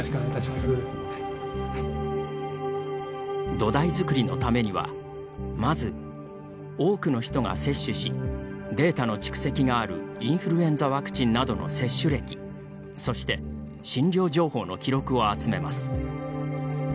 土台作りのためにはまず、多くの人が接種しデータの蓄積があるインフルエンザワクチンなどの接種歴そして診療情報の記録を集めます。